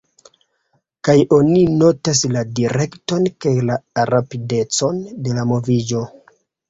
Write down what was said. Kaj oni notas la direkton kaj la rapidecon de la moviĝo.